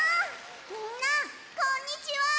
みんなこんにちは！